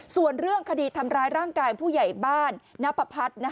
ส่วนเรื่องคดีทำร้ายร่างกายผู้ใหญ่บ้านนับประพัฒน์